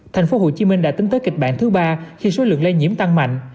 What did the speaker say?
tp hcm đã tính tới kịch bản thứ ba khi số lượng lây nhiễm tăng mạnh